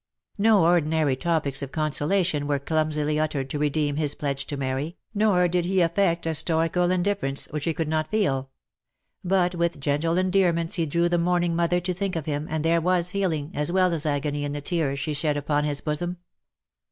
No ordinary topics of consolation were clumsily uttered to redeem his pledge to Mary, nor did he affect a stoical indifference which he could not feel ; but with gentle endearments he drew the mourning mother to think of him, and there was healing, as well as agony, in the tears she shed upon his bosom.